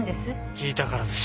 聞いたからです。